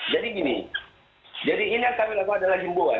jadi gini jadi ini yang kami lakukan adalah jemboan